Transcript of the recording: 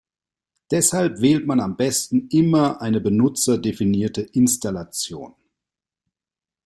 Deshalb wählt man am besten immer eine benutzerdefinierte Installation.